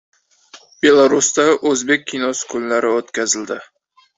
Belarusda “O‘zbek kinosi kunlari” o‘tkazildi